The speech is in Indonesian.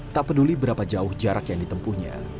tak peduli berapa jauh jarak yang ditempuhnya